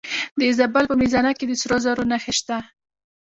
د زابل په میزانه کې د سرو زرو نښې شته.